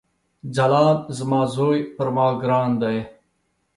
ځلاند زما ځوي پر ما ګران دی